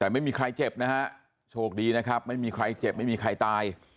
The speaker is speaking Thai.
แต่ไม่มีใครเจ็บนะฮะโชคดีนะครับไม่มีใครเจ็บไม่มีใครตาย